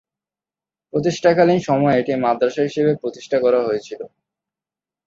প্রতিষ্ঠাকালীন সময়ে এটি মাদ্রাসা হিসেবে প্রতিষ্ঠা করা হয়েছিল।